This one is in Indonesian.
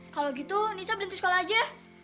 kalau gitu nisa berhenti sekolah aja